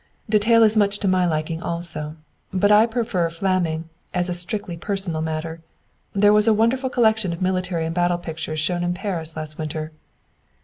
"Detaille is much to my liking, also; but I prefer Flameng, as a strictly personal matter. That was a wonderful collection of military and battle pictures shown in Paris last winter."